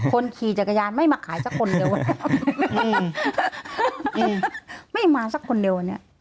คนขี่จากกระยากันไม่มาขายนังนั้นด้วย